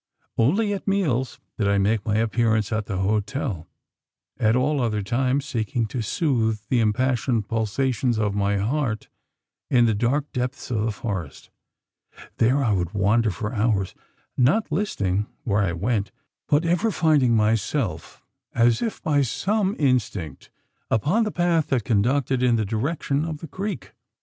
Only at meals did I make my appearance at the hotel at all other times, seeking to soothe the impassioned pulsations of my heart in the dark depths of the forest. There I would wander for hours, not listing where I went; but ever finding myself, as if by some instinct, upon the path that conducted in the direction of the creek!